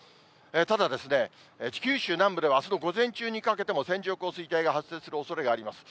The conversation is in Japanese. ただ、九州南部では、あすの午前中にかけても、線状降水帯が発生するおそれがあります。